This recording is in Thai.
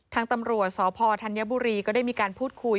ทางตำรวจสพธัญบุรีก็ได้มีการพูดคุย